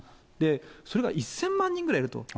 それが１０００万人ぐらいいると。